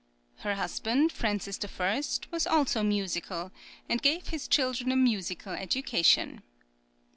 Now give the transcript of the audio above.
Her husband, Francis I., was also musical, and gave his children a musical education.